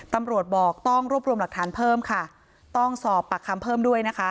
ตำรวจบอกต้องรวบรวมหลักฐานเพิ่มค่ะต้องสอบปากคำเพิ่มด้วยนะคะ